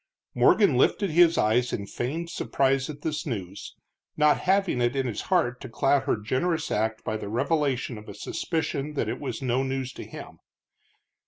Morgan lifted his eyes in feigned surprise at this news, not having it in his heart to cloud her generous act by the revelation of a suspicion that it was no news to him.